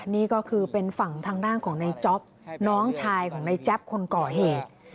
นี่ก็คือเป็นฝั่งทางด้านของในจ๊อปน้องชายของในแจ๊บคนก่อเหตุ